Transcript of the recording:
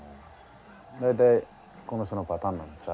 大体この人のパターンなんですよ